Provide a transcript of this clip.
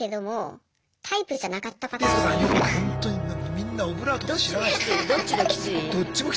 みんなオブラートって知らないの？